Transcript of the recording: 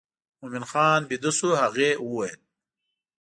مومن خان بېده شو هغې وویل.